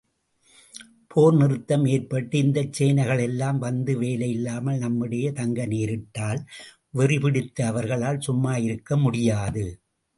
போர் நிறுத்தம் ஏற்பட்டு, இந்தச் சேனைகளெல்லாம் வந்து வேலையில்லாமல் நம்மிடையே தங்கநேரிட்டால் வெறிபிடித்த அவர்களால் சும்மாயிருக்க முடியாது.